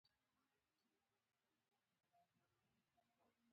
ازادي راډیو د طبیعي پېښې حالت ته رسېدلي پام کړی.